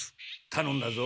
たのんだぞ。